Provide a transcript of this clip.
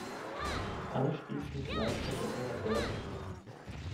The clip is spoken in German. Anschließend leistete er Wehrdienst.